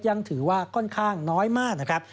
ยังถือว่าค่อนข้างน้อยมากนะครับ